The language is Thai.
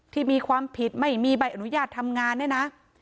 ที่มีความผิดไม่มีใบอนุญาตทำงานเนี่ยนะ